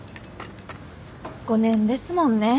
５年ですもんね。